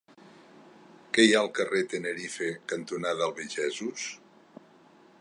Què hi ha al carrer Tenerife cantonada Albigesos?